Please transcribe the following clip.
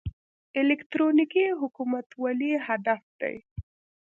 الکترونیکي حکومتولي هدف دی